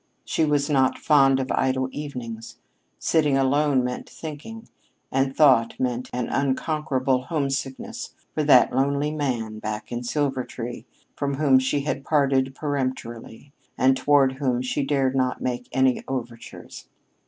She was not fond of idle evenings. Sitting alone meant thinking, and thought meant an unconquerable homesickness for that lonely man back in Silvertree from whom she had parted peremptorily, and toward whom she dared not make any overtures.